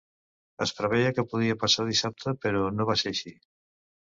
Es preveia que podia passar dissabte, però no va ser així.